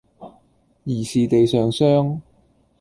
疑是地上霜